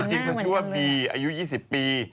จริงเธอช่วยว่าปีอายุยี่สิบปี